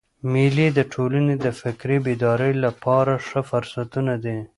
مېلې د ټولني د فکري بیدارۍ له پاره ښه فرصتونه دي.